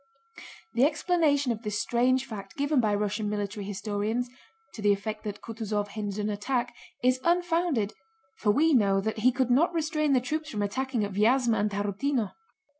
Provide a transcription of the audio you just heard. The explanation of this strange fact given by Russian military historians (to the effect that Kutúzov hindered an attack) is unfounded, for we know that he could not restrain the troops from attacking at Vyázma and Tarútino.